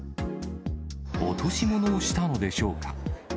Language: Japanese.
落とし物をしたのでしょうか。